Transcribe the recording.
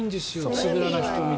つぶらな瞳で。